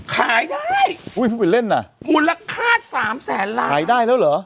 คายได้อุ้ยมึงเป็นแรงหน่ะมูรค่าสามแสนล้ายได้แล้วหรอ